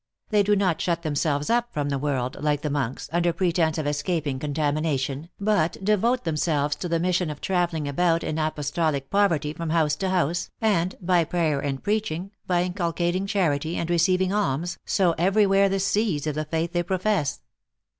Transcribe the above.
They do not shut themselves up from the world, like the monks, under pretence of escaping contamination, but devote themselves to the mission of traveling about in apos tolic poverty from house to house, and, by prayer and preaching, by inculcating charity, and receiving alms, sow every where the seeds of the faith they profess."